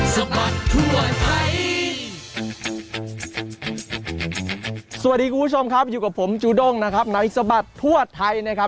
สวัสดีคุณผู้ชมครับอยู่กับผมจูด้งนะครับในสบัดทั่วไทยนะครับ